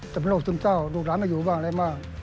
แต่เป็นโรคซึมเศร้าลูกหลานไม่อยู่บ้างอะไรบ้าง